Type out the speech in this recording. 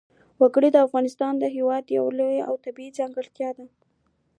وګړي د افغانستان هېواد یوه لویه او طبیعي ځانګړتیا ده.